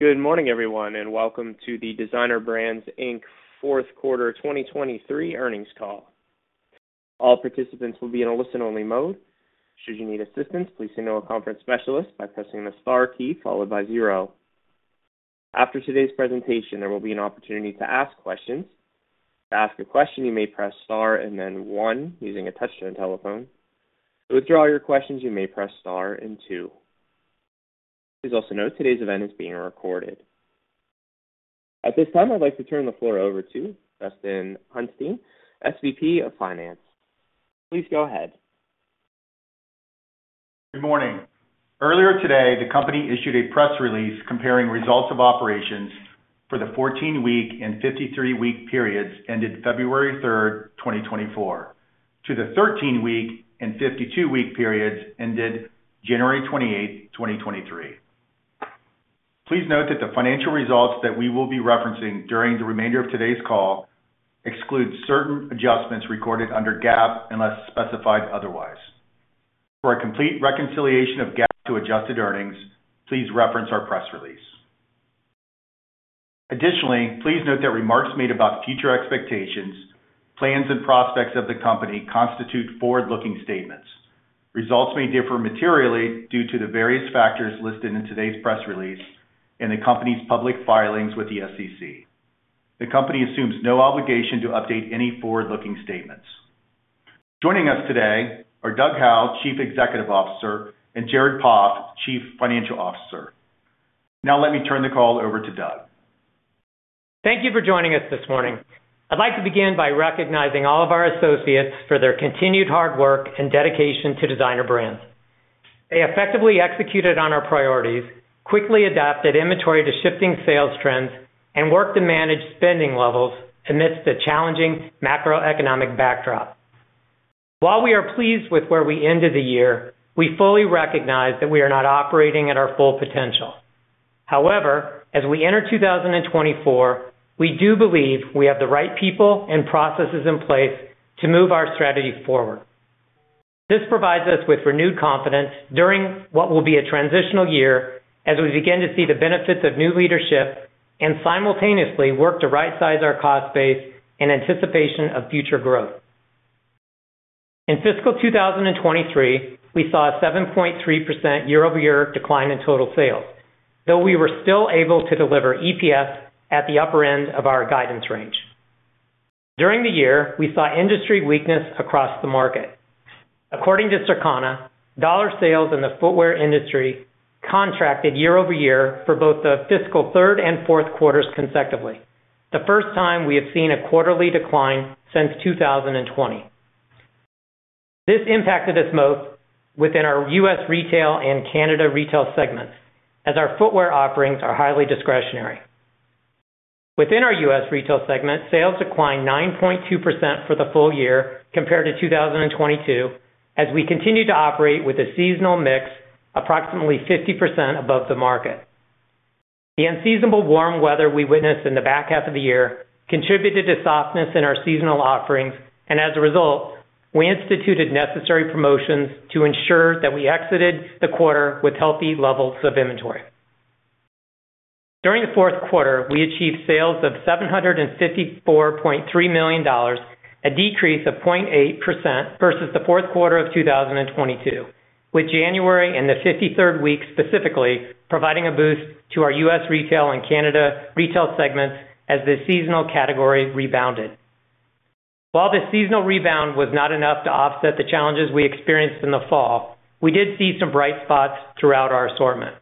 Good morning, everyone, and welcome to the Designer Brands, Inc., Q4 2023 Earnings Call. All participants will be in a listen-only mode. Should you need assistance, please contact our conference specialist by pressing the star key followed by zero. After today's presentation, there will be an opportunity to ask questions. To ask a question, you may press star and then one using a touch-tone telephone. To withdraw your question, you may press star and two. Please also note today's event is being recorded. At this time, I'd like to turn the floor over to Dustin Hauenstein, SVP of Finance. Please go ahead. Good morning. Earlier today, the company issued a press release comparing results of operations for the 14-week and 53-week periods ended 3 February 2024, to the 13-week and 52-week periods ended 28 January 2023. Please note that the financial results that we will be referencing during the remainder of today's call exclude certain adjustments recorded under GAAP unless specified otherwise. For a complete reconciliation of GAAP to adjusted earnings, please reference our press release. Additionally, please note that remarks made about future expectations, plans, and prospects of the company constitute forward-looking statements. Results may differ materially due to the various factors listed in today's press release and the company's public filings with the SEC. The company assumes no obligation to update any forward-looking statements. Joining us today are Doug Howe, Chief Executive Officer, and Jared Poff, Chief Financial Officer. Now let me turn the call over to Doug. Thank you for joining us this morning. I'd like to begin by recognizing all of our associates for their continued hard work and dedication to Designer Brands. They effectively executed on our priorities, quickly adapted inventory to shifting sales trends, and worked to manage spending levels amidst a challenging macroeconomic backdrop. While we are pleased with where we ended the year, we fully recognize that we are not operating at our full potential. However, as we enter 2024, we do believe we have the right people and processes in place to move our strategy forward. This provides us with renewed confidence during what will be a transitional year as we begin to see the benefits of new leadership and simultaneously work to right-size our cost base in anticipation of future growth. In fiscal 2023, we saw a 7.3% year-over-year decline in total sales, though we were still able to deliver EPS at the upper end of our guidance range. During the year, we saw industry weakness across the market. According to Circana, dollar sales in the footwear industry contracted year-over-year for both the fiscal third and Q4s consecutively, the first time we have seen a quarterly decline since 2020. This impacted us most within our US retail and Canada retail segments as our footwear offerings are highly discretionary. Within our US retail segment, sales declined 9.2% for the full year compared to 2022 as we continue to operate with a seasonal mix approximately 50% above the market. The unseasonable warm weather we witnessed in the back half of the year contributed to softness in our seasonal offerings, and as a result, we instituted necessary promotions to ensure that we exited the quarter with healthy levels of inventory. During the Q4, we achieved sales of $754.3 million, a decrease of 0.8% versus the Q4 of 2022, with January and the 53rd week specifically providing a boost to our US retail and Canada retail segments as the seasonal category rebounded. While the seasonal rebound was not enough to offset the challenges we experienced in the fall, we did see some bright spots throughout our assortment.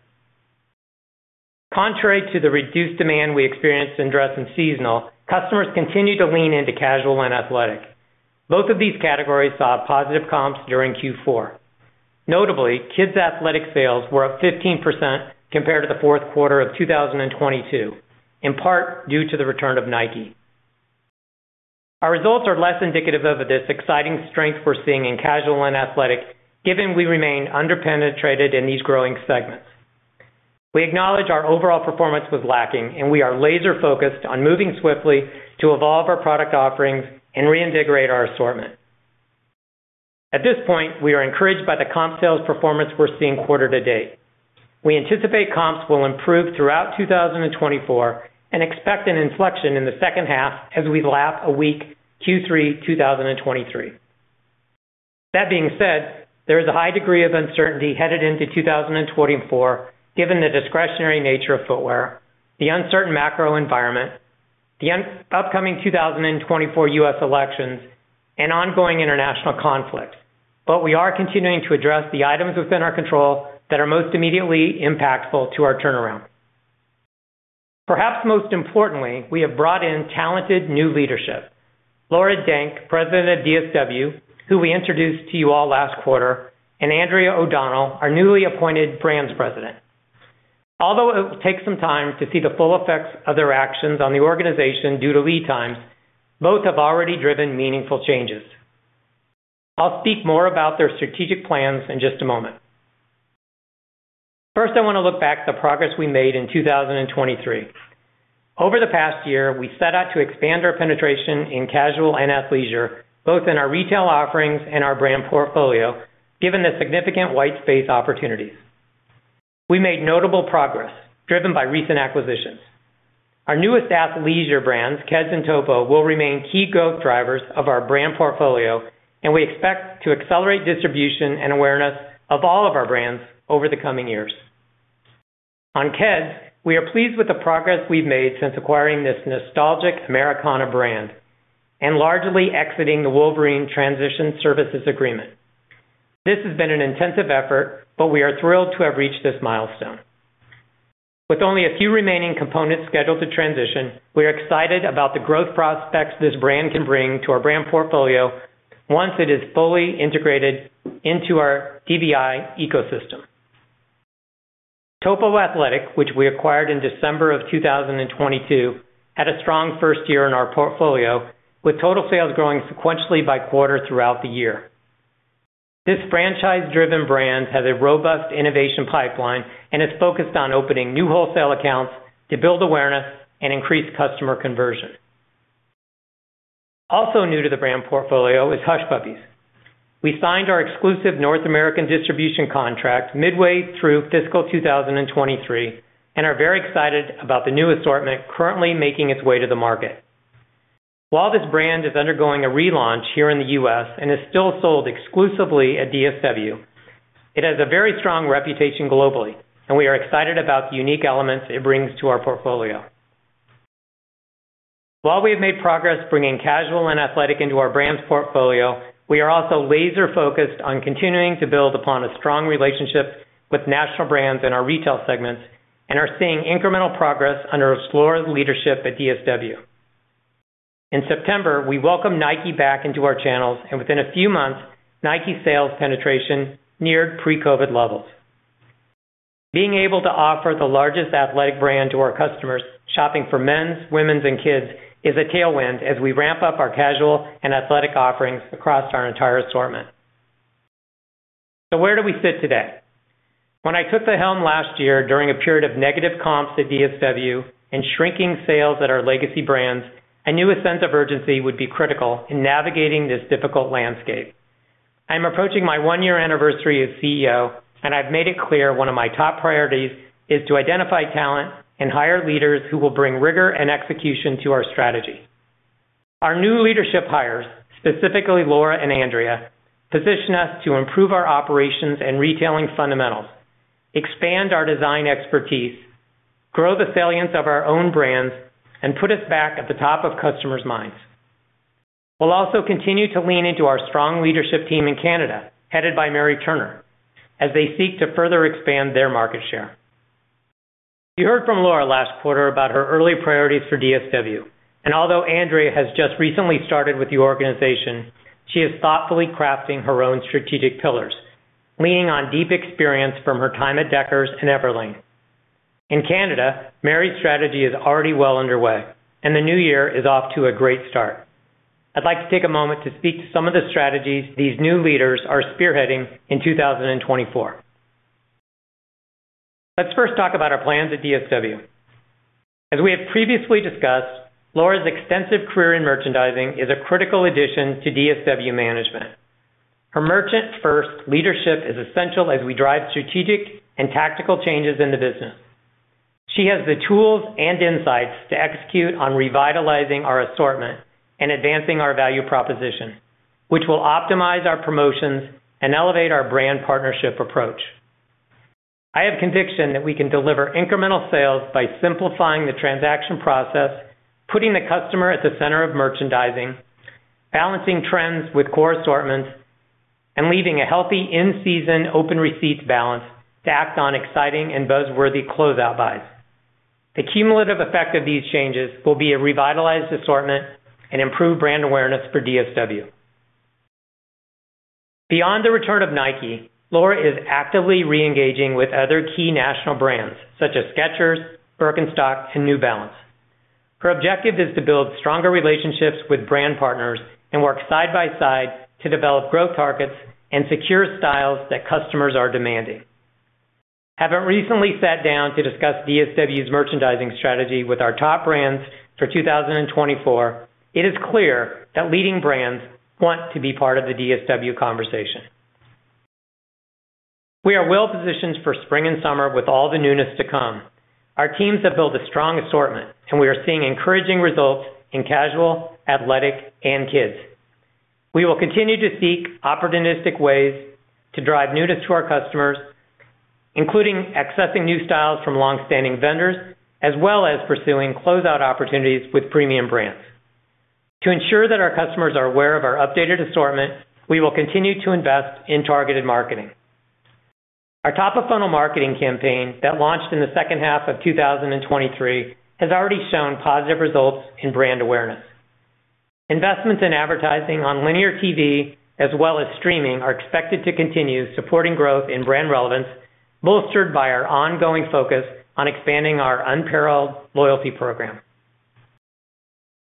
Contrary to the reduced demand we experienced in dress and seasonal, customers continue to lean into casual and athletic. Both of these categories saw positive comps during Q4. Notably, kids' athletic sales were up 15% compared to the Q4 of 2022, in part due to the return of Nike. Our results are less indicative of this exciting strength we're seeing in casual and athletic given we remain under-penetrated in these growing segments. We acknowledge our overall performance was lacking, and we are laser-focused on moving swiftly to evolve our product offerings and reinvigorate our assortment. At this point, we are encouraged by the comp sales performance we're seeing quarter to date. We anticipate comps will improve throughout 2024 and expect an inflection in the second half as we lap a weak Q3 2023. That being said, there is a high degree of uncertainty headed into 2024 given the discretionary nature of footwear, the uncertain macro environment, the upcoming 2024 US elections, and ongoing international conflicts, but we are continuing to address the items within our control that are most immediately impactful to our turnaround. Perhaps most importantly, we have brought in talented new leadership: Laura Denk, President of DSW, who we introduced to you all last quarter, and Andrea O'Donnell, our newly appointed Brands President. Although it will take some time to see the full effects of their actions on the organization due to lead times, both have already driven meaningful changes. I'll speak more about their strategic plans in just a moment. First, I want to look back at the progress we made in 2023. Over the past year, we set out to expand our penetration in casual and athleisure both in our retail offerings and our brand portfolio given the significant white space opportunities. We made notable progress driven by recent acquisitions. Our newest athleisure brands, Keds and Topo, will remain key growth drivers of our brand portfolio, and we expect to accelerate distribution and awareness of all of our brands over the coming years. On Keds, we are pleased with the progress we've made since acquiring this nostalgic Americana brand and largely exiting the Wolverine Transition Services Agreement. This has been an intensive effort, but we are thrilled to have reached this milestone. With only a few remaining components scheduled to transition, we are excited about the growth prospects this brand can bring to our brand portfolio once it is fully integrated into our DBI ecosystem. Topo Athletic, which we acquired in December of 2022, had a strong first year in our portfolio with total sales growing sequentially by quarter throughout the year. This franchise-driven brand has a robust innovation pipeline and is focused on opening new wholesale accounts to build awareness and increase customer conversion. Also new to the brand portfolio is Hush Puppies. We signed our exclusive North American distribution contract midway through fiscal 2023 and are very excited about the new assortment currently making its way to the market. While this brand is undergoing a relaunch here in the US and is still sold exclusively at DSW, it has a very strong reputation globally, and we are excited about the unique elements it brings to our portfolio. While we have made progress bringing casual and athletic into our brand's portfolio, we are also laser-focused on continuing to build upon a strong relationship with national brands in our retail segments and are seeing incremental progress under Laura's leadership at DSW. In September, we welcomed Nike back into our channels, and within a few months, Nike sales penetration neared pre-COVID levels. Being able to offer the largest athletic brand to our customers shopping for men's, women's, and kids is a tailwind as we ramp up our casual and athletic offerings across our entire assortment. So where do we sit today? When I took the helm last year during a period of negative comps at DSW and shrinking sales at our legacy brands, I knew a sense of urgency would be critical in navigating this difficult landscape. I am approaching my one-year anniversary as CEO, and I've made it clear one of my top priorities is to identify talent and hire leaders who will bring rigor and execution to our strategy. Our new leadership hires, specifically Laura and Andrea, position us to improve our operations and retailing fundamentals, expand our design expertise, grow the salience of our own brands, and put us back at the top of customers' minds. We'll also continue to lean into our strong leadership team in Canada headed by Mary Turner as they seek to further expand their market share. You heard from Laura last quarter about her early priorities for DSW, and although Andrea has just recently started with the organization, she is thoughtfully crafting her own strategic pillars, leaning on deep experience from her time at Deckers and Everlane. In Canada, Mary's strategy is already well underway, and the new year is off to a great start. I'd like to take a moment to speak to some of the strategies these new leaders are spearheading in 2024. Let's first talk about our plans at DSW. As we have previously discussed, Laura's extensive career in merchandising is a critical addition to DSW management. Her merchant-first leadership is essential as we drive strategic and tactical changes in the business. She has the tools and insights to execute on revitalizing our assortment and advancing our value proposition, which will optimize our promotions and elevate our brand partnership approach. I have conviction that we can deliver incremental sales by simplifying the transaction process, putting the customer at the center of merchandising, balancing trends with core assortments, and leaving a healthy in-season open receipts balance to act on exciting and buzzworthy closeout buys. The cumulative effect of these changes will be a revitalized assortment and improved brand awareness for DSW. Beyond the return of Nike, Laura is actively reengaging with other key national brands such as Skechers, Birkenstock, and New Balance. Her objective is to build stronger relationships with brand partners and work side by side to develop growth targets and secure styles that customers are demanding. Having recently sat down to discuss DSW's merchandising strategy with our top brands for 2024, it is clear that leading brands want to be part of the DSW conversation. We are well positioned for spring and summer with all the newness to come. Our teams have built a strong assortment, and we are seeing encouraging results in casual, athletic, and kids. We will continue to seek opportunistic ways to drive newness to our customers, including accessing new styles from longstanding vendors as well as pursuing closeout opportunities with premium brands. To ensure that our customers are aware of our updated assortment, we will continue to invest in targeted marketing. Our top-of-funnel marketing campaign that launched in the second half of 2023 has already shown positive results in brand awareness. Investments in advertising on linear TV as well as streaming are expected to continue supporting growth in brand relevance bolstered by our ongoing focus on expanding our unparalleled loyalty program.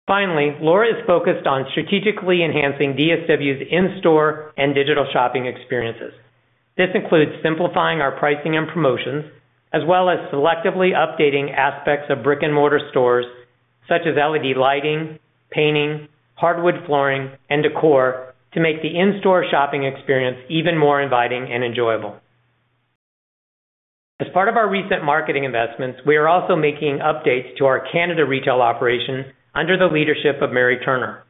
Finally, Laura is focused on strategically enhancing DSW's in-store and digital shopping experiences. This includes simplifying our pricing and promotions as well as selectively updating aspects of brick-and-mortar stores such as LED lighting, painting, hardwood flooring, and decor to make the in-store shopping experience even more inviting and enjoyable. As part of our recent marketing investments, we are also making updates to our Canada retail operation under the leadership of Mary Turner.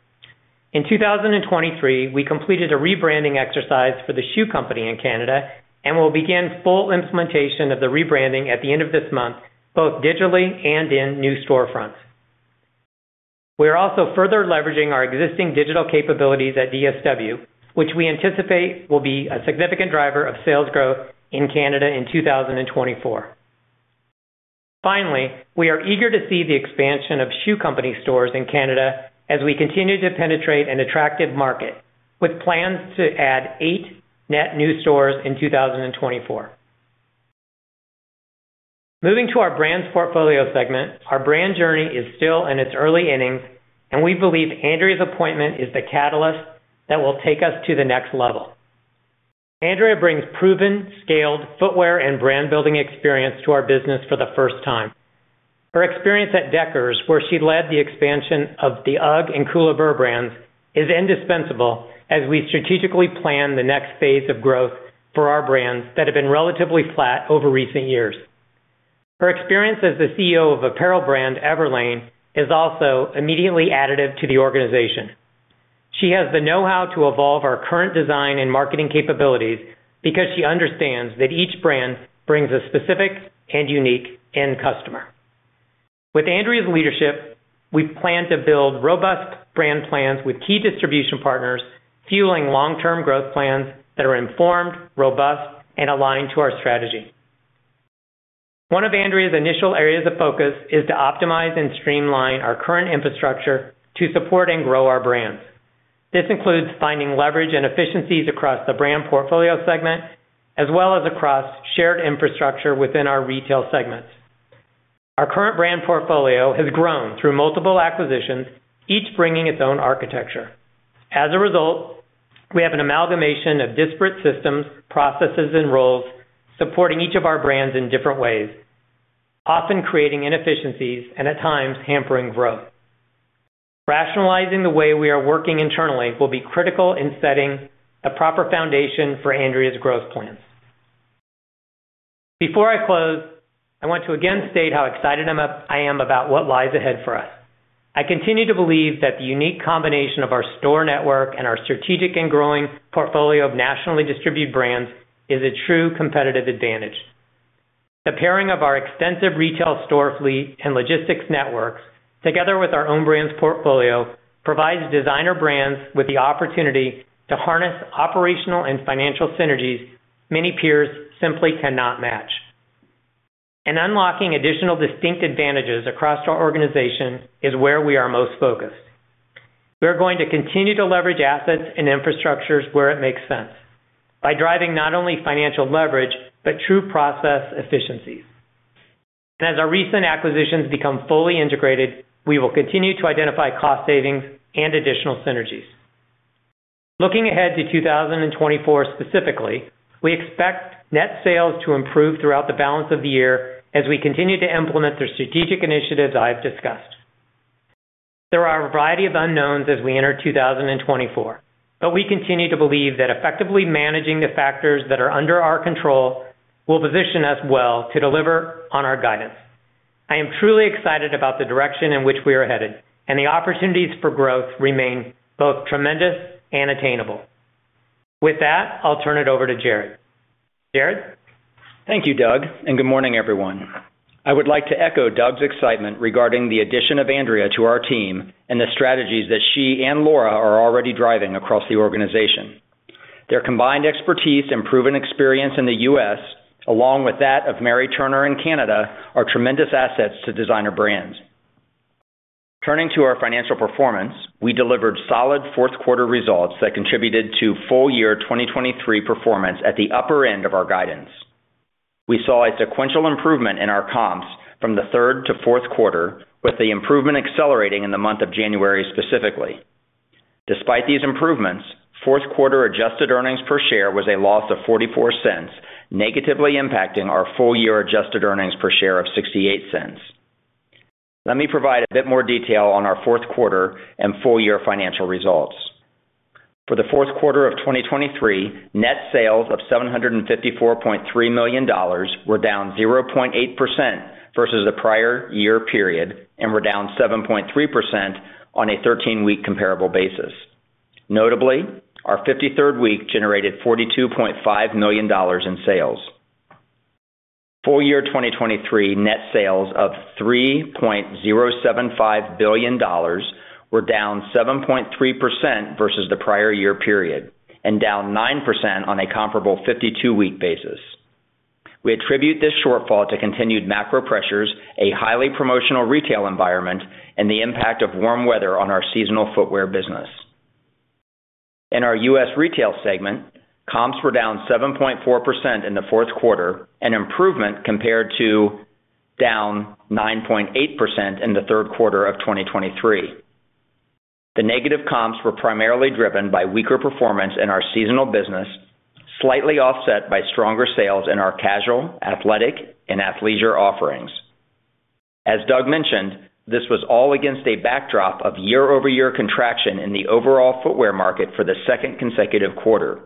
In 2023, we completed a rebranding exercise for the Shoe Company in Canada and will begin full implementation of the rebranding at the end of this month both digitally and in new storefronts. We are also further leveraging our existing digital capabilities at DSW, which we anticipate will be a significant driver of sales growth in Canada in 2024. Finally, we are eager to see the expansion of Shoe Company stores in Canada as we continue to penetrate an attractive market with plans to add eight net new stores in 2024. Moving to our brands portfolio segment, our brand journey is still in its early innings, and we believe Andrea's appointment is the catalyst that will take us to the next level. Andrea brings proven, scaled footwear and brand-building experience to our business for the first time. Her experience at Deckers, where she led the expansion of the UGG and Koolaburra brands, is indispensable as we strategically plan the next phase of growth for our brands that have been relatively flat over recent years. Her experience as the CEO of apparel brand Everlane is also immediately additive to the organization. She has the know-how to evolve our current design and marketing capabilities because she understands that each brand brings a specific and unique end customer. With Andrea's leadership, we plan to build robust brand plans with key distribution partners fueling long-term growth plans that are informed, robust, and aligned to our strategy. One of Andrea's initial areas of focus is to optimize and streamline our current infrastructure to support and grow our brands. This includes finding leverage and efficiencies across the brand portfolio segment as well as across shared infrastructure within our retail segments. Our current brand portfolio has grown through multiple acquisitions, each bringing its own architecture. As a result, we have an amalgamation of disparate systems, processes, and roles supporting each of our brands in different ways, often creating inefficiencies and at times hampering growth. Rationalizing the way we are working internally will be critical in setting a proper foundation for Andrea's growth plans. Before I close, I want to again state how excited I am about what lies ahead for us. I continue to believe that the unique combination of our store network and our strategic and growing portfolio of nationally distributed brands is a true competitive advantage. The pairing of our extensive retail store fleet and logistics networks together with our own brands portfolio provides Designer Brands with the opportunity to harness operational and financial synergies many peers simply cannot match. Unlocking additional distinct advantages across our organization is where we are most focused. We are going to continue to leverage assets and infrastructures where it makes sense by driving not only financial leverage but true process efficiencies. As our recent acquisitions become fully integrated, we will continue to identify cost savings and additional synergies. Looking ahead to 2024 specifically, we expect net sales to improve throughout the balance of the year as we continue to implement the strategic initiatives I have discussed. There are a variety of unknowns as we enter 2024, but we continue to believe that effectively managing the factors that are under our control will position us well to deliver on our guidance. I am truly excited about the direction in which we are headed, and the opportunities for growth remain both tremendous and attainable. With that, I'll turn it over to Jared. Jared. Thank you, Doug, and good morning, everyone. I would like to echo Doug's excitement regarding the addition of Andrea to our team and the strategies that she and Laura are already driving across the organization. Their combined expertise and proven experience in the US, along with that of Mary Turner in Canada, are tremendous assets to Designer Brands. Turning to our financial performance, we delivered solid fourth-quarter results that contributed to full-year 2023 performance at the upper end of our guidance. We saw a sequential improvement in our comps from the third to Q4, with the improvement accelerating in the month of January specifically. Despite these improvements, fourth-quarter adjusted earnings per share was a loss of $0.44, negatively impacting our full-year adjusted earnings per share of $0.68. Let me provide a bit more detail on our Q4 and full-year financial results. For the Q4 of 2023, net sales of $754.3 million were down 0.8% versus the prior year period and were down 7.3% on a 13-week comparable basis. Notably, our 53rd week generated $42.5 million in sales. Full-year 2023 net sales of $3.075 billion were down 7.3% versus the prior year period and down 9% on a comparable 52-week basis. We attribute this shortfall to continued macro pressures, a highly promotional retail environment, and the impact of warm weather on our seasonal footwear business. In our US retail segment, comps were down 7.4% in the Q4, an improvement compared to down 9.8% in the Q3 of 2023. The negative comps were primarily driven by weaker performance in our seasonal business, slightly offset by stronger sales in our casual, athletic, and athleisure offerings. As Doug mentioned, this was all against a backdrop of year-over-year contraction in the overall footwear market for the second consecutive quarter.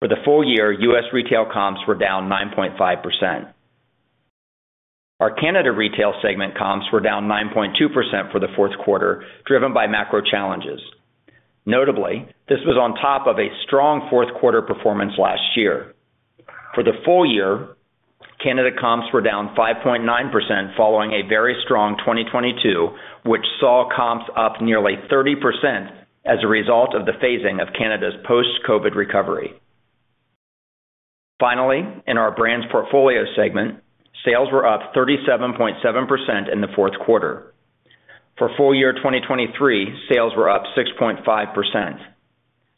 For the full-year, US retail comps were down 9.5%. Our Canada retail segment comps were down 9.2% for the Q4, driven by macro challenges. Notably, this was on top of a strong fourth-quarter performance last year. For the full-year, Canada comps were down 5.9% following a very strong 2022, which saw comps up nearly 30% as a result of the phasing of Canada's post-COVID recovery. Finally, in our brands portfolio segment, sales were up 37.7% in the Q4. For full-year 2023, sales were up 6.5%.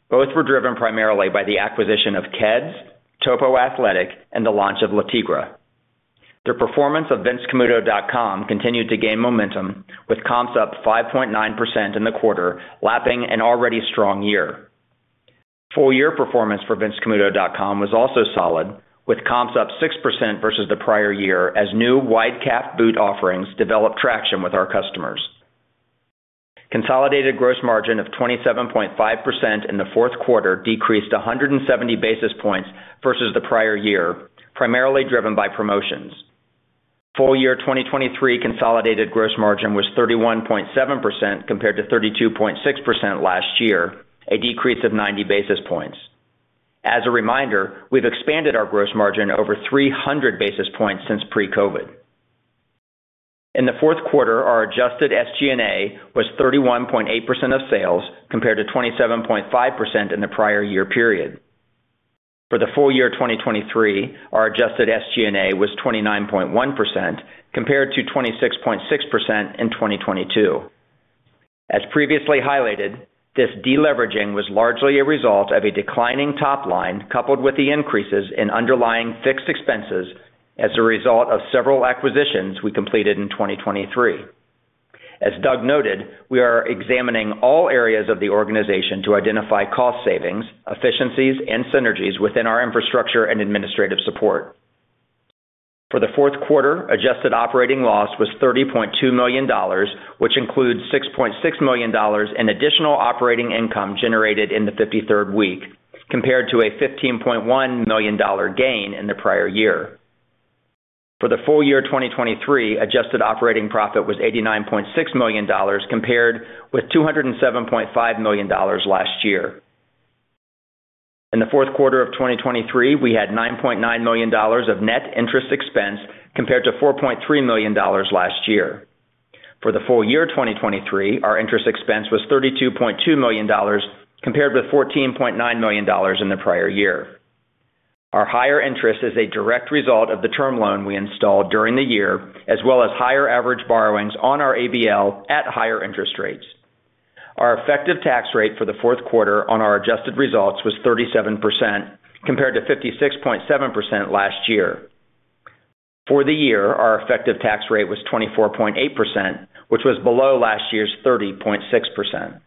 Both were driven primarily by the acquisition of Keds, Topo Athletic, and the launch of Le Tigre. The performance of VinceCamuto.com continued to gain momentum, with comps up 5.9% in the quarter, lapping an already strong year. Full-year performance for VinceCamuto.com was also solid, with comps up 6% versus the prior year as new wide-calf boot offerings developed traction with our customers. Consolidated gross margin of 27.5% in the Q4 decreased 170 basis points versus the prior year, primarily driven by promotions. Full-year 2023 consolidated gross margin was 31.7% compared to 32.6% last year, a decrease of 90 basis points. As a reminder, we've expanded our gross margin over 300 basis points since pre-COVID. In the Q4, our adjusted SG&A was 31.8% of sales compared to 27.5% in the prior year period. For the full-year 2023, our adjusted SG&A was 29.1% compared to 26.6% in 2022. As previously highlighted, this deleveraging was largely a result of a declining top line coupled with the increases in underlying fixed expenses as a result of several acquisitions we completed in 2023. As Doug noted, we are examining all areas of the organization to identify cost savings, efficiencies, and synergies within our infrastructure and administrative support. For the Q4, adjusted operating loss was $30.2 million, which includes $6.6 million in additional operating income generated in the 53rd week compared to a $15.1 million gain in the prior year. For the full-year 2023, adjusted operating profit was $89.6 million compared with $207.5 million last year. In the Q4 of 2023, we had $9.9 million of net interest expense compared to $4.3 million last year. For the full-year 2023, our interest expense was $32.2 million compared with $14.9 million in the prior year. Our higher interest is a direct result of the term loan we installed during the year as well as higher average borrowings on our ABL at higher interest rates. Our effective tax rate for the Q4 on our adjusted results was 37% compared to 56.7% last year. For the year, our effective tax rate was 24.8%, which was below last year's 30.6%.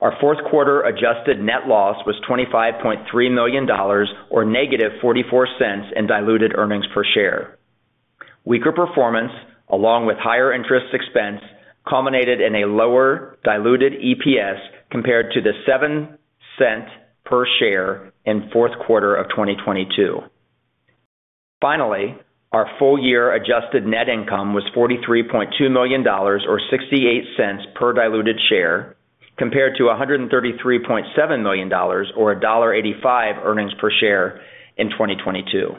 Our Q4 adjusted net loss was $25.3 million or negative $0.44 in diluted earnings per share. Weaker performance, along with higher interest expense, culminated in a lower diluted EPS compared to the $0.07 per share in Q4 of 2022. Finally, our full-year adjusted net income was $43.2 million or $0.68 per diluted share compared to $133.7 million or $1.85 earnings per share in 2022.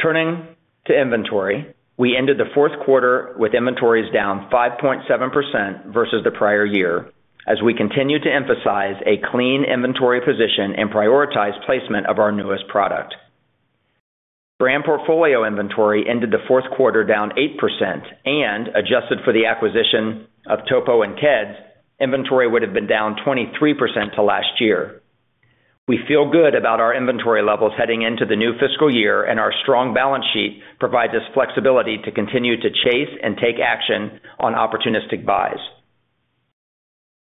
Turning to inventory, we ended the Q4 with inventories down 5.7% versus the prior year as we continue to emphasize a clean inventory position and prioritize placement of our newest product. brand portfolio inventory ended the Q4 down 8%, and adjusted for the acquisition of Topo and Keds, inventory would have been down 23% to last year. We feel good about our inventory levels heading into the new fiscal year, and our strong balance sheet provides us flexibility to continue to chase and take action on opportunistic buys.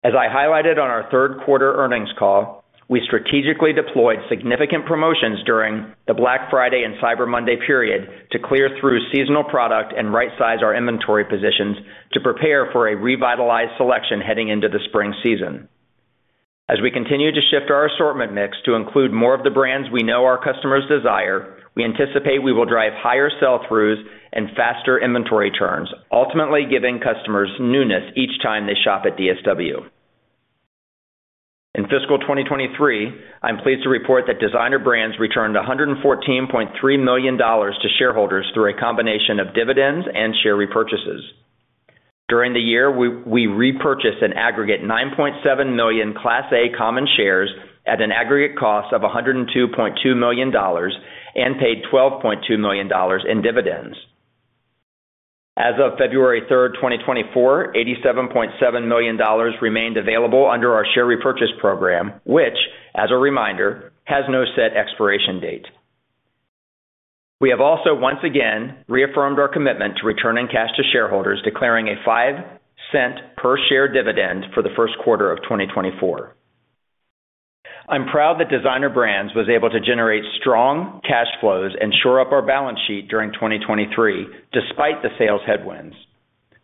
As I highlighted on our Q3 earnings call, we strategically deployed significant promotions during the Black Friday and Cyber Monday period to clear through seasonal product and right-size our inventory positions to prepare for a revitalized selection heading into the spring season. As we continue to shift our assortment mix to include more of the brands we know our customers desire, we anticipate we will drive higher sell-throughs and faster inventory turns, ultimately giving customers newness each time they shop at DSW. In fiscal 2023, I'm pleased to report that Designer Brands returned $114.3 million to shareholders through a combination of dividends and share repurchases. During the year, we repurchased an aggregate 9.7 million Class A common shares at an aggregate cost of $102.2 million and paid $12.2 million in dividends. As of 3 February 2024, $87.7 million remained available under our share repurchase program, which, as a reminder, has no set expiration date. We have also once again reaffirmed our commitment to returning cash to shareholders, declaring a $0.05 per share dividend for the Q1 of 2024. I'm proud that Designer Brands was able to generate strong cash flows and shore up our balance sheet during 2023 despite the sales headwinds.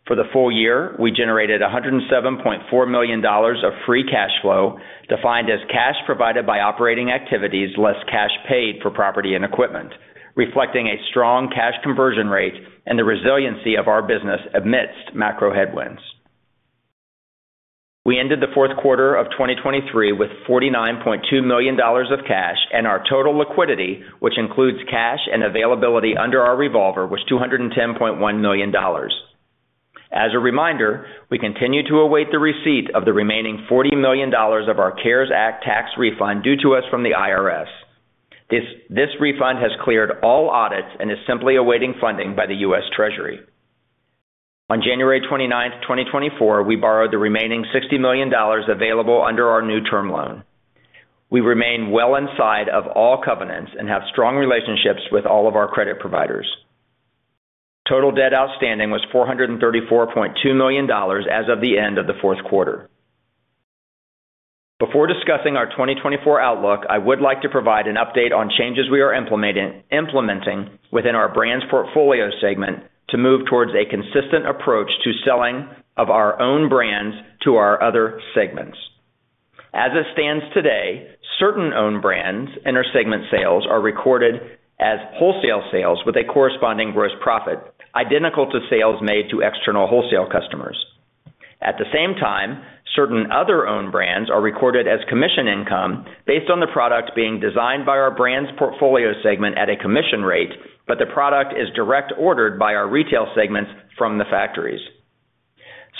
For the full year, we generated $107.4 million of free cash flow defined as cash provided by operating activities less cash paid for property and equipment, reflecting a strong cash conversion rate and the resiliency of our business amidst macro headwinds. We ended the Q4 of 2023 with $49.2 million of cash and our total liquidity, which includes cash and availability under our revolver, was $210.1 million. As a reminder, we continue to await the receipt of the remaining $40 million of our CARES Act tax refund due to us from the IRS. This refund has cleared all audits and is simply awaiting funding by the US Treasury. On January 29, 2024, we borrowed the remaining $60 million available under our new term loan. We remain well inside of all covenants and have strong relationships with all of our credit providers. Total debt outstanding was $434.2 million as of the end of the Q4. Before discussing our 2024 outlook, I would like to provide an update on changes we are implementing within our brands portfolio segment to move towards a consistent approach to selling of our own brands to our other segments. As it stands today, certain owned brands and their segment sales are recorded as wholesale sales with a corresponding gross profit, identical to sales made to external wholesale customers. At the same time, certain other owned brands are recorded as commission income based on the product being designed by our brands portfolio segment at a commission rate, but the product is direct ordered by our retail segments from the factories.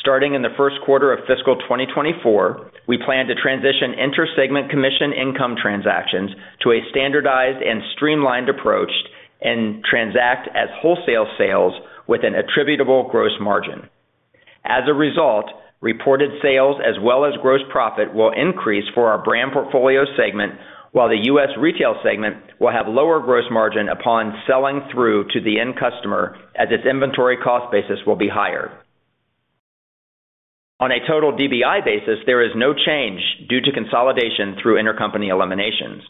Starting in the Q1 of fiscal 2024, we plan to transition inter-segment commission income transactions to a standardized and streamlined approach and transact as wholesale sales with an attributable gross margin. As a result, reported sales as well as gross profit will increase for our brand portfolio segment, while the US retail segment will have lower gross margin upon selling through to the end customer as its inventory cost basis will be higher. On a total DBI basis, there is no change due to consolidation through intercompany eliminations.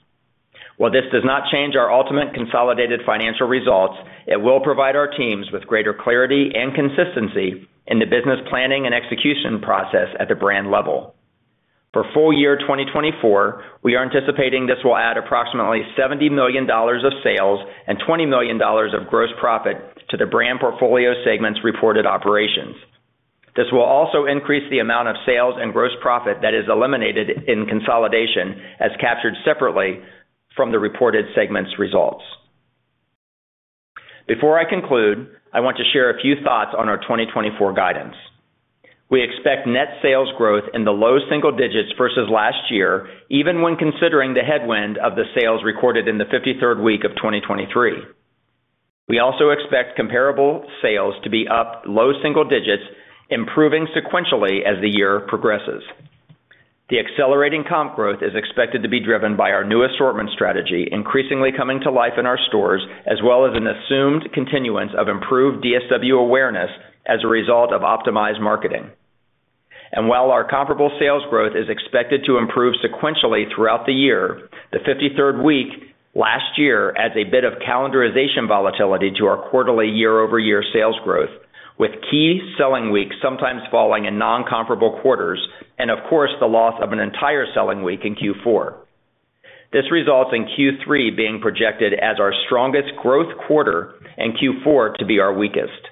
While this does not change our ultimate consolidated financial results, it will provide our teams with greater clarity and consistency in the business planning and execution process at the brand level. For full-year 2024, we are anticipating this will add approximately $70 million of sales and $20 million of gross profit to the brand portfolio segment's reported operations. This will also increase the amount of sales and gross profit that is eliminated in consolidation as captured separately from the reported segment's results. Before I conclude, I want to share a few thoughts on our 2024 guidance. We expect net sales growth in the low single digits versus last year, even when considering the headwind of the sales recorded in the 53rd week of 2023. We also expect comparable sales to be up low single digits, improving sequentially as the year progresses. The accelerating comp growth is expected to be driven by our new assortment strategy, increasingly coming to life in our stores as well as an assumed continuance of improved DSW awareness as a result of optimized marketing. While our comparable sales growth is expected to improve sequentially throughout the year, the 53rd week last year adds a bit of calendarization volatility to our quarterly year-over-year sales growth, with key selling weeks sometimes falling in non-comparable quarters and, of course, the loss of an entire selling week in Q4. This results in Q3 being projected as our strongest growth quarter and Q4 to be our weakest.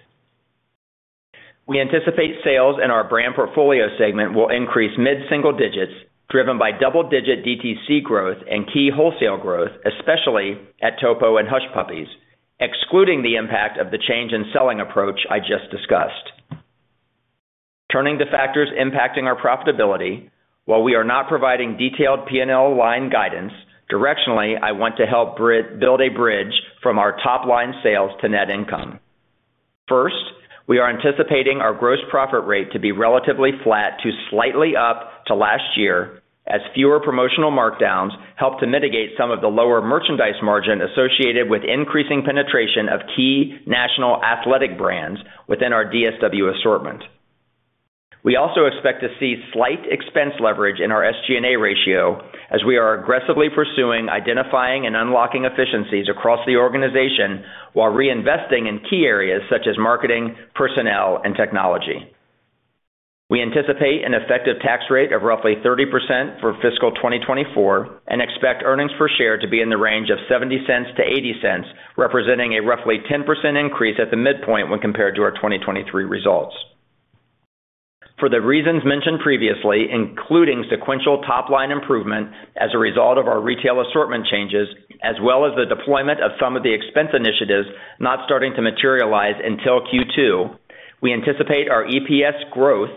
We anticipate sales in our brand portfolio segment will increase mid-single digits, driven by double-digit DTC growth and key wholesale growth, especially at Topo and Hush Puppies, excluding the impact of the change in selling approach I just discussed. Turning to factors impacting our profitability, while we are not providing detailed P&L line guidance, directionally, I want to help build a bridge from our top line sales to net income. First, we are anticipating our gross profit rate to be relatively flat to slightly up to last year as fewer promotional markdowns help to mitigate some of the lower merchandise margin associated with increasing penetration of key national athletic brands within our DSW assortment. We also expect to see slight expense leverage in our SG&A ratio as we are aggressively pursuing identifying and unlocking efficiencies across the organization while reinvesting in key areas such as marketing, personnel, and technology. We anticipate an effective tax rate of roughly 30% for fiscal 2024 and expect earnings per share to be in the range of $0.70 to 0.80, representing a roughly 10% increase at the midpoint when compared to our 2023 results. For the reasons mentioned previously, including sequential top line improvement as a result of our retail assortment changes as well as the deployment of some of the expense initiatives not starting to materialize until Q2, we anticipate our EPS growth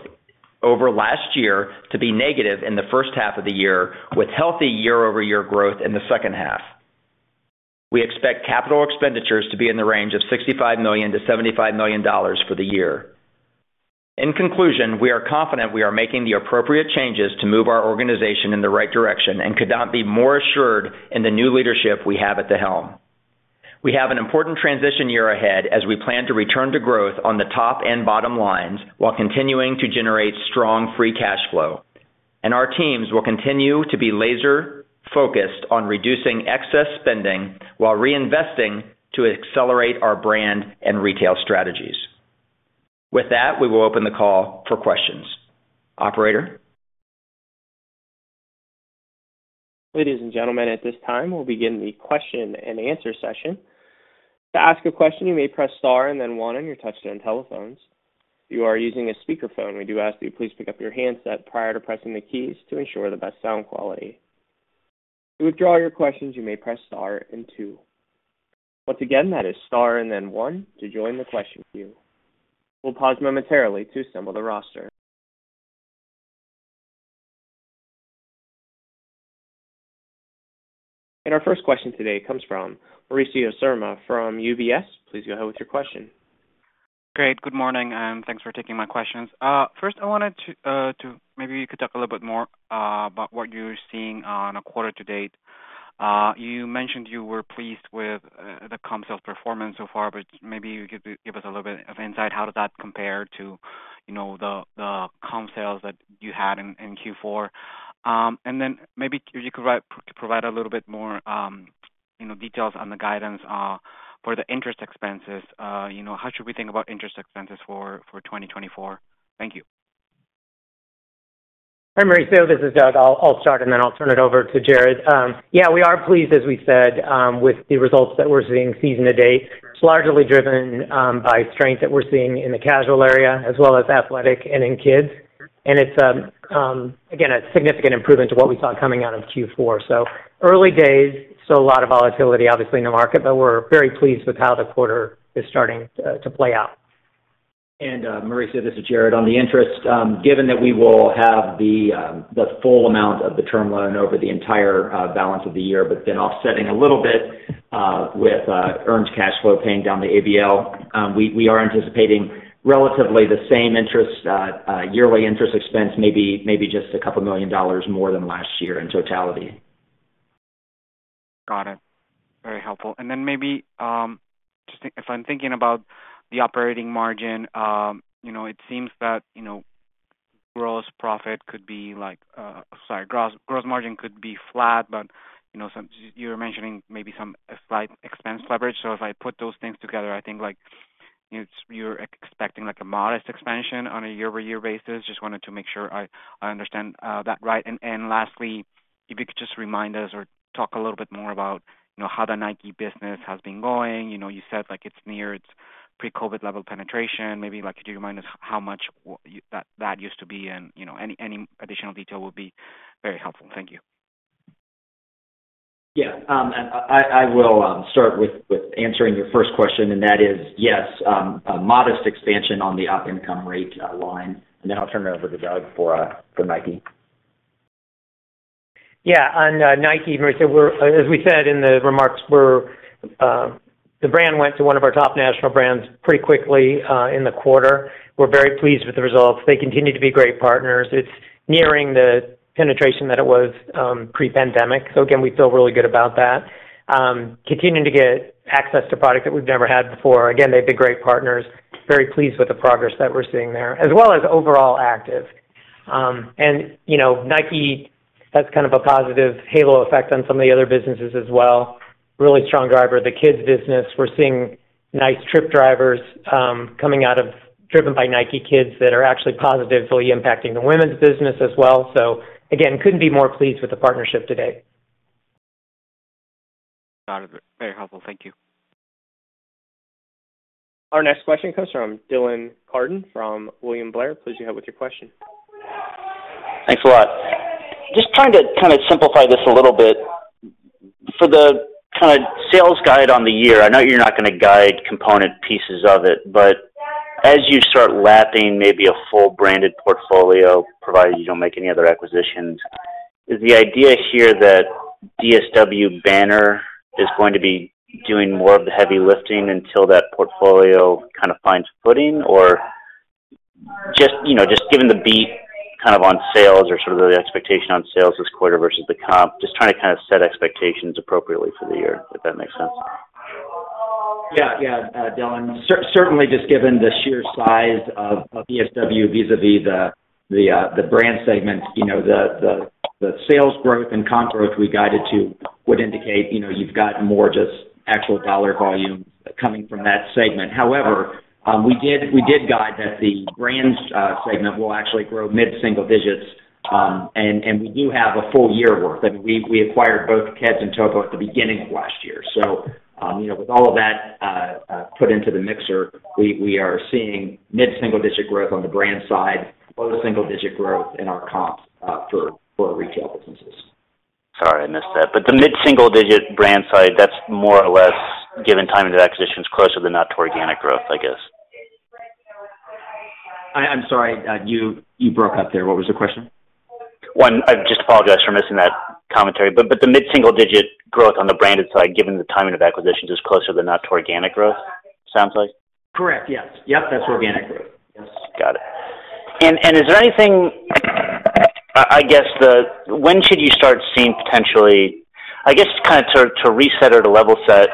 over last year to be negative in the first half of the year, with healthy year-over-year growth in the second half. We expect capital expenditures to be in the range of $65 to 75 million for the year. In conclusion, we are confident we are making the appropriate changes to move our organization in the right direction and could not be more assured in the new leadership we have at the helm. We have an important transition year ahead as we plan to return to growth on the top and bottom lines while continuing to generate strong free cash flow, and our teams will continue to be laser-focused on reducing excess spending while reinvesting to accelerate our brand and retail strategies. With that, we will open the call for questions. Operator. Ladies and gentlemen, at this time, we'll begin the question and answer session. To ask a question, you may press star and then one on your touch-tone telephones. If you are using a speakerphone, we do ask that you please pick up your handset prior to pressing the keys to ensure the best sound quality. To withdraw your questions, you may press star and two. Once again, that is star and then one to join the question queue. We'll pause momentarily to assemble the roster. Our first question today comes from Mauricio Serna from UBS. Please go ahead with your question. Great. Good morning. Thanks for taking my questions. First, I wanted to maybe you could talk a little bit more about what you're seeing on a quarter-to-date. You mentioned you were pleased with the comp sales performance so far, but maybe you could give us a little bit of insight. How does that compare to the comp sales that you had in Q4? And then maybe if you could provide a little bit more details on the guidance for the interest expenses, how should we think about interest expenses for 2024? Thank you. Hi, Mauricio. This is Doug. I'll start, and then I'll turn it over to Jared. Yeah, we are pleased, as we said, with the results that we're seeing season-to-date. It's largely driven by strength that we're seeing in the casual area as well as athletic and in kids. And it's, again, a significant improvement to what we saw coming out of Q4. So early days, still a lot of volatility, obviously, in the market, but we're very pleased with how the quarter is starting to play out. And Mauricio, this is Jared. On the interest, given that we will have the full amount of the term loan over the entire balance of the year, but then offsetting a little bit with earned cash flow paying down the ABL, we are anticipating relatively the same yearly interest expense, maybe just a couple of $2 million more than last year in totality. Got it. Very helpful. And then maybe if I'm thinking about the operating margin, it seems that gross profit could be—sorry, gross margin could be flat, but you were mentioning maybe some slight expense leverage. So if I put those things together, I think you're expecting a modest expansion on a year-over-year basis. Just wanted to make sure I understand that right. And lastly, if you could just remind us or talk a little bit more about how the Nike business has been going. You said it's near its pre-COVID level penetration. Maybe could you remind us how much that used to be, and any additional detail would be very helpful. Thank you. Yeah. And I will start with answering your first question, and that is, yes, modest expansion on the operating income rate line. And then I'll turn it over to Doug for Nike. Yeah. On Nike, Mauricio, as we said in the remarks, the brand went to one of our top national brands pretty quickly in the quarter. We're very pleased with the results. They continue to be great partners. It's nearing the penetration that it was pre-pandemic. So again, we feel really good about that. Continuing to get access to product that we've never had before. Again, they've been great partners. Very pleased with the progress that we're seeing there, as well as overall active. And Nike, that's kind of a positive halo effect on some of the other businesses as well. Really strong driver. The kids' business, we're seeing nice trip drivers coming out of, driven by Nike kids that are actually positively impacting the women's business as well. So again, couldn't be more pleased with the partnership today. Got it. Very helpful. Thank you. Our next question comes from Dylan Carden from William Blair. Please go ahead with your question. Thanks a lot. Just trying to kind of simplify this a little bit. For the kind of sales guide on the year, I know you're not going to guide component pieces of it, but as you start lapping maybe a full branded portfolio, provided you don't make any other acquisitions, is the idea here that DSW banner is going to be doing more of the heavy lifting until that portfolio kind of finds footing, or just given the beat kind of on sales or sort of the expectation on sales this quarter versus the comp, just trying to kind of set expectations appropriately for the year, if that makes sense? Yeah. Yeah, Dylan. Certainly, just given the sheer size of DSW vis-à-vis the brand segment, the sales growth and comp growth we guided to would indicate you've got more just actual dollar volume coming from that segment. However, we did guide that the brand segment will actually grow mid-single digits, and we do have a full year worth. I mean, we acquired both Keds and Topo at the beginning of last year. So with all of that put into the mixer, we are seeing mid-single digit growth on the brand side, low single digit growth in our comps for retail businesses. Sorry I missed that. But the mid-single digit brand side, that's more or less given time into acquisitions closer than not to organic growth, I guess. I'm sorry. You broke up there. What was the question? Just apologize for missing that commentary. But the mid-single-digit growth on the branded side, given the timing of acquisitions, is closer than not to organic growth, sounds like? Correct. Yes. Yep, that's organic growth. Yes. Got it. And is there anything, I guess, when should you start seeing potentially, I guess, kind of, to reset or to level set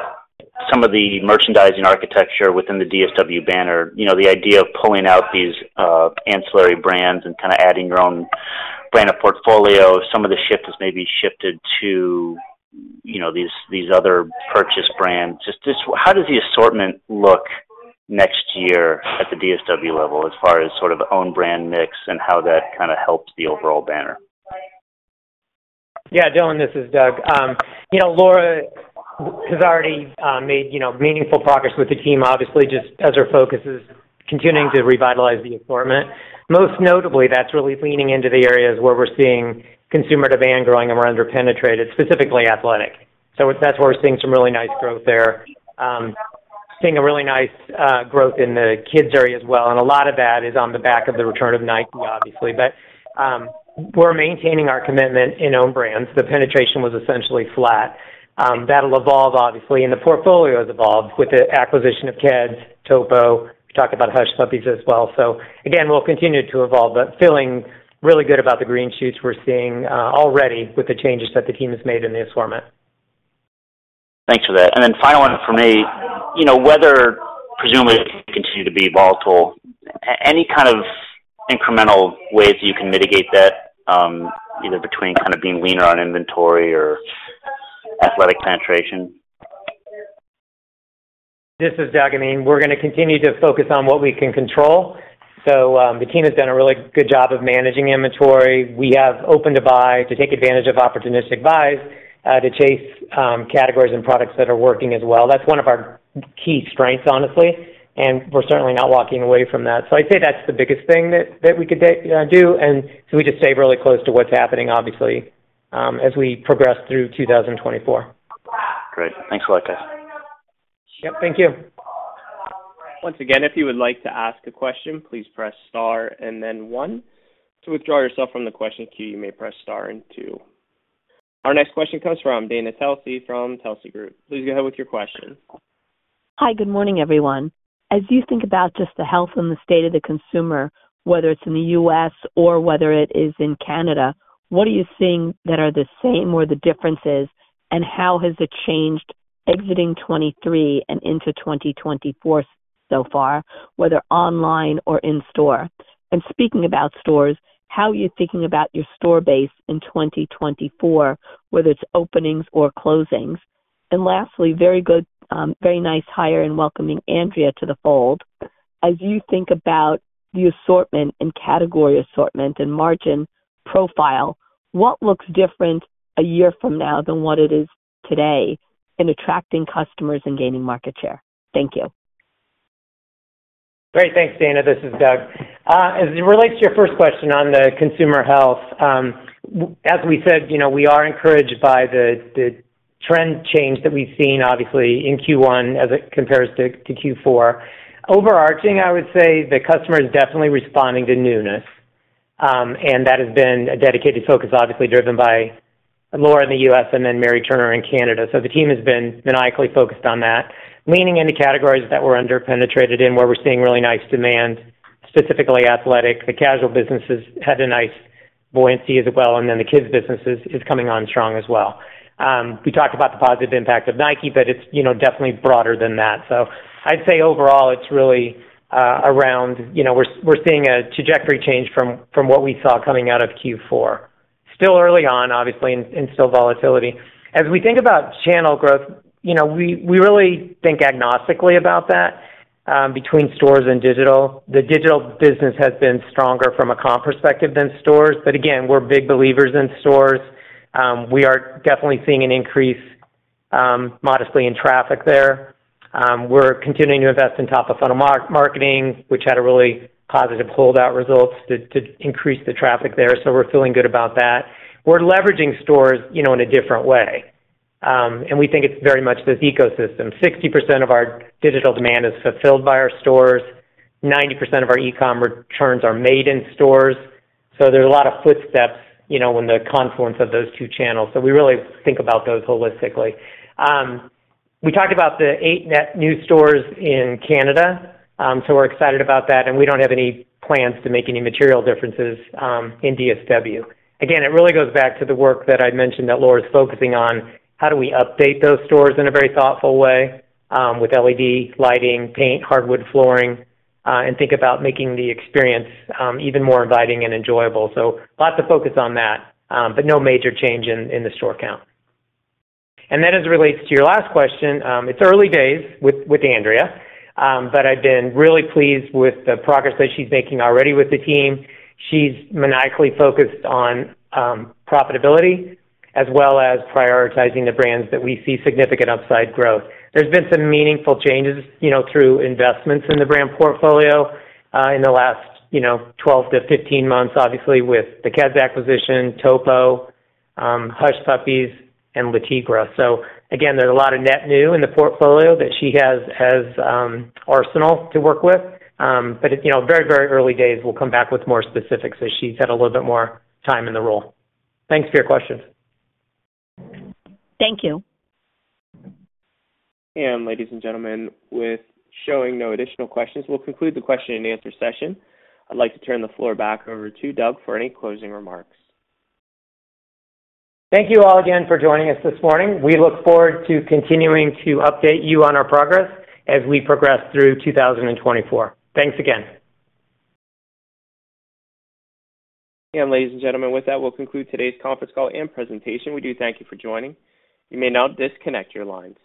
some of the merchandising architecture within the DSW banner, the idea of pulling out these ancillary brands and kind of adding your own brand of portfolio, some of the shift has maybe shifted to these other purchase brands? How does the assortment look next year at the DSW level as far as sort of own-brand mix and how that kind of helps the overall banner? Yeah, Dylan. This is Doug. Laura has already made meaningful progress with the team, obviously, just as her focus is continuing to revitalize the assortment. Most notably, that's really leaning into the areas where we're seeing consumer demand growing and we're under-penetrated, specifically athletic. So that's where we're seeing some really nice growth there, seeing a really nice growth in the kids' area as well. And a lot of that is on the back of the return of Nike, obviously. But we're our commitment in own brands. The penetration was essentially flat. That'll evolve, obviously. And the portfolio has evolved with the acquisition of Keds, Topo. We talked about Hush Puppies as well. So again, we'll continue to evolve, but feeling really good about the green shoots we're seeing already with the changes that the team has made in the assortment. Thanks for that. And then final one from me. Weather presumably could continue to be volatile. Any kind of incremental ways that you can mitigate that, either between kind of being leaner on inventory or athletic penetration? This is Doug. I mean, we're going to continue to focus on what we can control. So the team has done a really good job of managing inventory. We have opened to buy to take advantage of opportunistic buys to chase categories and products that are working as well. That's one of our key strengths, honestly. And we're certainly not walking away from that. So I'd say that's the biggest thing that we could do. And so we just stay really close to what's happening, obviously, as we progress through 2024. Great. Thanks a lot, guys. Yep. Thank you. Once again, if you would like to ask a question, please press star and then one. To withdraw yourself from the question queue, you may press star and two. Our next question comes from Dana Telsey from Telsey Group. Please go ahead with your question. Hi. Good morning, everyone. As you think about just the health and the state of the consumer, whether it's in the US or whether it is in Canada, what are you seeing that are the same or the differences, and how has it changed exiting 2023 and into 2024 so far, whether online or in-store? And speaking about stores, how are you thinking about your store base in 2024, whether it's openings or closings? And lastly, very nice hire and welcoming Andrea to the fold. As you think about the assortment and category assortment and margin profile, what looks different a year from now than what it is today in attracting customers and gaining market share? Thank you. Great. Thanks, Dana. This is Doug. As it relates to your first question on the consumer health, as we said, we are encouraged by the trend change that we've seen, obviously, in Q1 as it compares to Q4. Overarching, I would say the customer is definitely responding to newness. That has been a dedicated focus, obviously, driven by Laura in the US and then Mary Turner in Canada. So the team has been maniacally focused on that, leaning into categories that were under-penetrated in where we're seeing really nice demand, specifically athletic. The casual businesses had a nice buoyancy as well, and then the kids' businesses is coming on strong as well. We talked about the positive impact of Nike, but it's definitely broader than that. So I'd say overall, it's really around we're seeing a trajectory change from what we saw coming out of Q4. Still early on, obviously, and still volatility. As we think about channel growth, we really think agnostically about that between stores and digital. The digital business has been stronger from a comp perspective than stores. But again, we're big believers in stores. We are definitely seeing an increase, modestly, in traffic there. We're continuing to invest in top-of-funnel marketing, which had a really positive holdout result to increase the traffic there. So we're feeling good about that. We're leveraging stores in a different way. And we think it's very much this ecosystem. 60% of our digital demand is fulfilled by our stores. 90% of our e-commerce returns are made in stores. So there's a lot of footsteps when the confluence of those two channels. So we really think about those holistically. We talked about the 8 net new stores in Canada. So we're excited about that. We don't have any plans to make any material differences in DSW. Again, it really goes back to the work that I mentioned that Laura's focusing on. How do we update those stores in a very thoughtful way with LED lighting, paint, hardwood flooring, and think about making the experience even more inviting and enjoyable? So lots of focus on that, but no major change in the store count. Then as it relates to your last question, it's early days with Andrea, but I've been really pleased with the progress that she's making already with the team. She's maniacally focused on profitability as well as prioritizing the brands that we see significant upside growth. There's been some meaningful changes through investments in the brand portfolio in the last 12-15 months, obviously, with the Keds acquisition, Topo, Hush Puppies, and Le Tigre. So again, there's a lot of net new in the portfolio that she has as arsenal to work with. But very, very early days. We'll come back with more specifics as she's had a little bit more time in the role. Thanks for your questions. Thank you. And ladies and gentlemen, with showing no additional questions, we'll conclude the question-and-answer session. I'd like to turn the floor back over to Doug for any closing remarks. Thank you all again for joining us this morning. We look forward to continuing to update you on our progress as we progress through 2024. Thanks again. And ladies and gentlemen, with that, we'll conclude today's conference call and presentation. We do thank you for joining. You may now disconnect your lines.